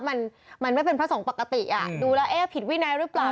มันมันไม่เป็นพระสงฆ์ปกติอ่ะดูแล้วเอ๊ะผิดวินัยหรือเปล่า